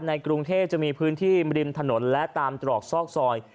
ในกรุงเทพจะมีพื้นที่ริมถนนและตามตรอกซอกซอย